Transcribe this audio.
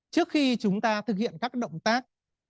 trước khi chúng ta thực hiện các động tác